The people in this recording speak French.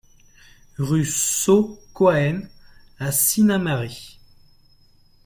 Rue Saut Caouenne à Sinnamary